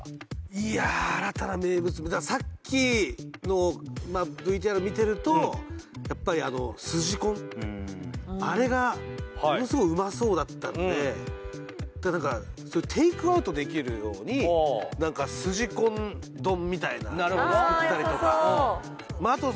いや新たな名物さっきのまあＶＴＲ見てるとやっぱりあのあれがものすごいうまそうだったんでなんかテイクアウトできるようになんかすじこん丼みたいなの作ったりとかなるほどああよさ